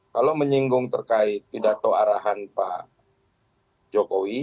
kalau menyinggung terkait pidato arahan pak jokowi